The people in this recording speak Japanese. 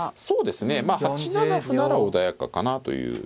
そうですねまあ８七歩なら穏やかかなという。